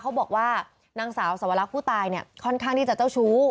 เขาบอกว่านางสาวสวรรคผู้ตายเนี่ยค่อนข้างที่จะเจ้าชู้